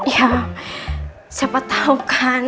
ya siapa tau kan